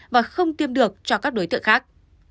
và không tiêm được cho các đối tượng khác